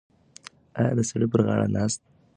ایا د سړک پر غاړه ناسته ښځه به کله مړه شي؟